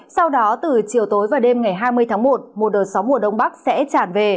sau đó từ chiều tối và đêm ngày hai mươi tháng một một đợt sóng mùa đông bắc sẽ tràn về